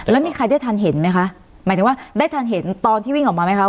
แล้วมีใครได้ทันเห็นไหมคะหมายถึงว่าได้ทันเห็นตอนที่วิ่งออกมาไหมคะ